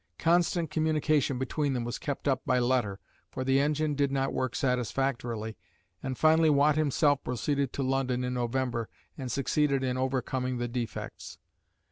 Constant communication between them was kept up by letter, for the engine did not work satisfactorily, and finally Watt himself proceeded to London in November and succeeded in overcoming the defects.